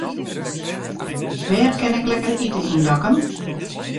Wêr kin ik lekker ite yn Dokkum?